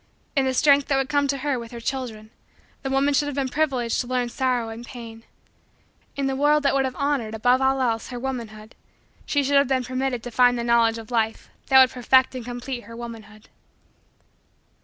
In the strength that would come to her with her children, the woman should have been privileged to learn sorrow and pain. In the world that would have honored, above all else, her womanhood, she should have been permitted to find the knowledge of life that would perfect and complete her womanhood.